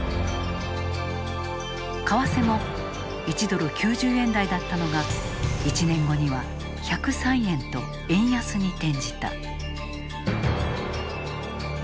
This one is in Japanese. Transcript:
為替も１ドル９０円台だったのが１年後には１０３円と円安に転じた。